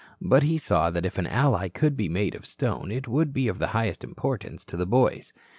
But he saw that if an ally could be made of Stone it would be of the highest importance to the boys.